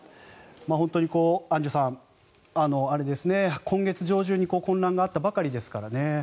本当にアンジュさん、今月上旬に混乱があったばかりですからね。